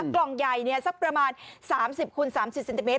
กล่องใหญ่เนี่ยสักประมาณ๓๐คูณ๓๐ซินติเมตร